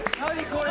これ！